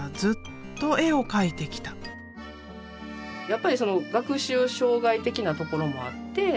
やっぱりその学習障害的なところもあって。